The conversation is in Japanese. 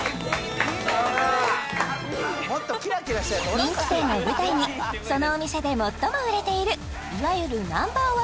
人気店を舞台にそのお店で最も売れているいわゆるＮｏ．１